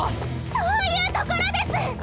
そういうところです！